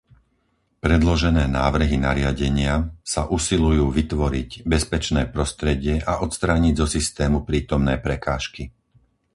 Predložené návrhy nariadenia sa usilujú vytvoriť bezpečné prostredie a odstrániť zo systému prítomné prekážky.